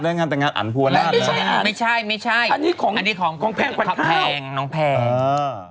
แต่งานอันพัวนั่นเหรอไม่ใช่อันนี้ของแพงกว่านเข้า